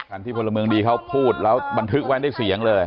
อันที่พลเมืองดีเขาพูดแล้วบันทึกไว้ได้เสียงเลย